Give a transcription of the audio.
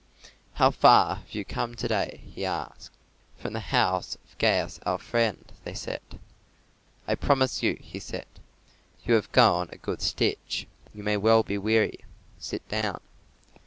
"How far have you come to day?" he asked. "From the house of Gaius our friend," they said. "I promise you," said he, "you have gone a good stitch; you may well be weary; sit down."